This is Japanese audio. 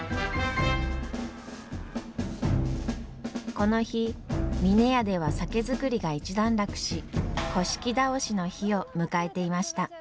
この日峰屋では酒造りが一段落し倒しの日を迎えていました。